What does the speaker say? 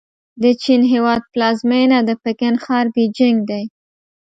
د چین هېواد پلازمېنه د پکن ښار بیجینګ دی.